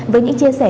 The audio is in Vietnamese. với những chia sẻ